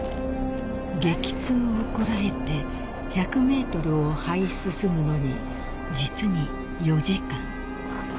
［激痛をこらえて１００ｍをはい進むのに実に４時間］